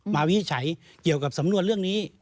วินิจฉัยเกี่ยวกับสำนวนเรื่องนี้